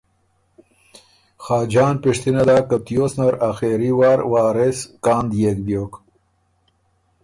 خاجان پِشتِنه داک که تیوس نر آخېری وار وارث کان ديېک بیوک۔